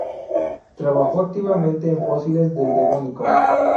Trabajó activamente en fósiles del Devónico